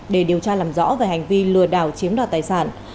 để điều tra làm rõ về hành vi lừa đảo chiếm đoạt tài sản